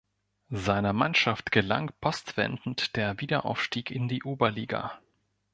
Seiner Mannschaft gelang postwendend der Wiederaufstieg in die Oberliga.